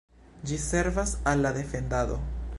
Ĝi servas al la defendado.